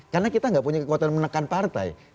karena kita gak punya kekuatan menekan partai